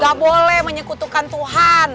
nggak boleh menyekutukan tuhan